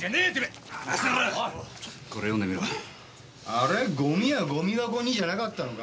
あれゴミはゴミ箱にじゃなかったのか？